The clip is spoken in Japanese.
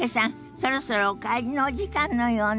そろそろお帰りのお時間のようね。